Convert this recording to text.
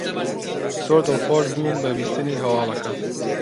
زۆر دڵخۆش بووم بە بیستنی هەواڵەکە.